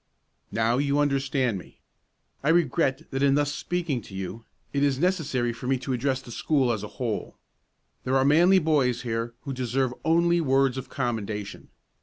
"Now you understand me. I regret that in thus speaking to you it is necessary for me to address the school as a whole. There are manly boys here who deserve only words of commendation.